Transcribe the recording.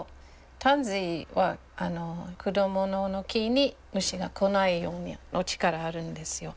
タンジーは果物の木に虫が来ないような力あるんですよ。